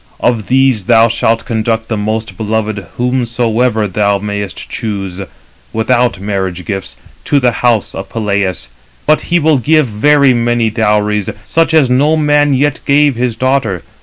Of these thou shalt conduct the most beloved whomsoever thou mayest choose, without marriage gifts, to the house of Peleus; but he will give very many dowries, such as no man yet gave his daughter.